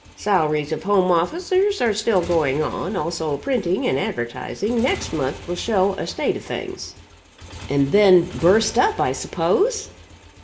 Salaries of home officers are still going on; also printing and advertising. Next month will show a state of things!" "And then burst up, I suppose?"